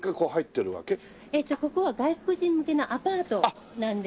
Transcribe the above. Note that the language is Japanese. ここは外国人向けのアパートなんですけども。